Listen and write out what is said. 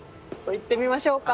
行ってみましょうか。